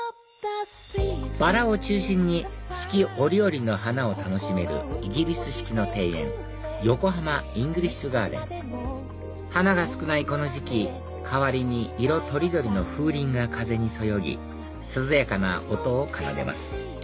バラを中心に四季折々の花を楽しめるイギリス式の庭園横浜イングリッシュガーデン花が少ないこの時期代わりに色取り取りの風鈴が風にそよぎ涼やかな音を奏でます